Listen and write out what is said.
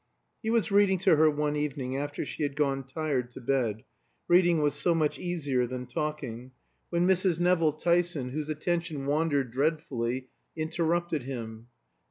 He was reading to her one evening after she had gone tired to bed (reading was so much easier than talking), when Mrs. Nevill Tyson, whose attention wandered dreadfully, interrupted him.